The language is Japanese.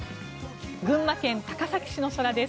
群馬県高崎市の空です。